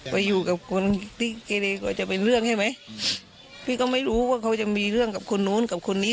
ไปอยู่กับคนที่เกเลก็จะเป็นเรื่องใช่ไหมพี่ก็ไม่รู้ว่าเขาจะมีเรื่องกับคนนู้นกับคนนี้